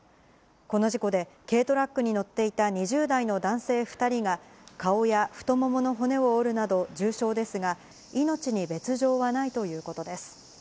この事故で、軽トラックに乗っていた２０代の男性２人が、顔や太ももの骨を折るなど重傷ですが、命に別状はないということです。